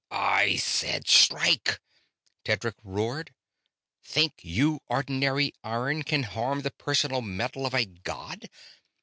"I said strike!" Tedric roared. "Think you ordinary iron can harm the personal metal of a god?